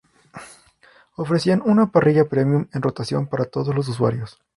Ofrecían una parrilla Premium en rotación para todos los usuarios.